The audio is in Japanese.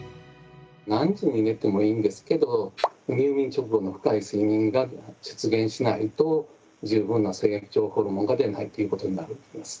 何時に寝てもいいんですけど入眠直後の深い睡眠が出現しないと十分な成長ホルモンが出ないということになると思います。